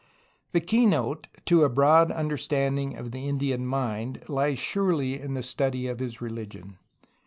The keynote to a broad understanding of the Indian mind lies surely in a study of his religion.